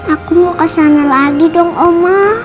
aku mau ke sana lagi dong oma